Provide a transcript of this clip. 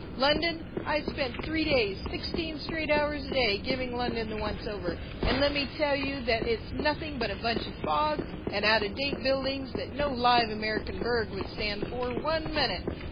London I spent three days, sixteen straight hours a day, giving London the once over, and let me tell you that it's nothing but a bunch of fog and out of date buildings that no live American burg would stand for one minute.